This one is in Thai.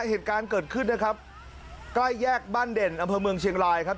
เหตุการณ์เกิดขึ้นนะครับใกล้แยกบ้านเด่นอำเภอเมืองเชียงรายครับ